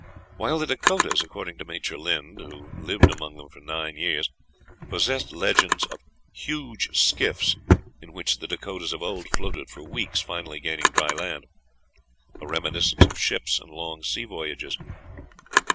While the Dakotas, according to Major Lynd, who lived among them for nine years, possessed legends of "huge skiffs, in which the Dakotas of old floated for weeks, finally gaining dry land" a reminiscence of ships and long sea voyages.